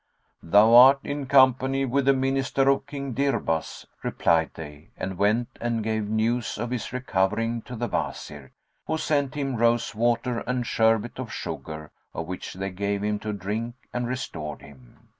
"Thou art in company with the Minister of King Dirbas," replied they and went and gave news of his recovering to the Wazir, who sent him rose water and sherbet of sugar, of which they gave him to drink and restored him.